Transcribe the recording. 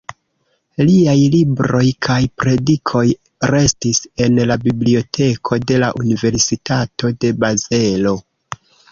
Liaj libroj kaj predikoj restis en la biblioteko de la Universitato de Bazelo.